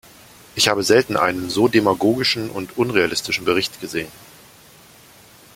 Ich habe selten einen so demagogischen und unrealistischen Bericht gesehen.